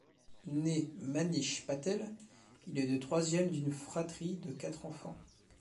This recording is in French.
Né Manish Patel, il est le troisième d'une fratrie de quatre enfants.